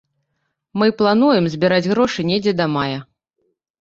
Мы плануем збіраць грошы недзе да мая.